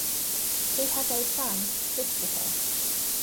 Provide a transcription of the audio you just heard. She has a son, Christopher.